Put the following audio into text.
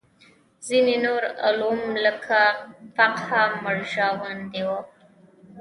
ځینې نور علوم لکه فقه مړژواندي وو.